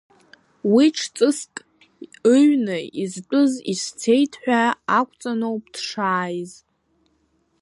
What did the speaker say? Уи ҽҵыск ыҩны изтәыз ицәцеит ҳәа ақәҵаноуп дшааиз.